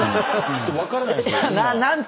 ちょっと分からないんですけど。